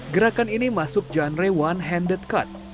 gerakan ini masuk genre one handed cut